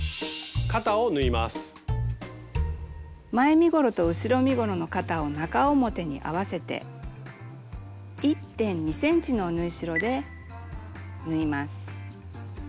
前身ごろと後ろ身ごろの肩を中表に合わせて１．２ｃｍの縫い代で縫います。